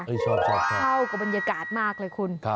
เท่ากับบรรยากาศมากเลยคุณ